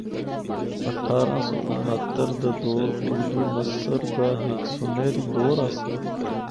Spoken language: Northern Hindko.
اٹھارہ سو انہتر دا دور آردو نثر دا ہک سنہری دور آسا۔